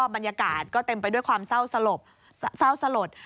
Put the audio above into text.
บรรยากาศก็เต็มไปด้วยความเศร้าสลด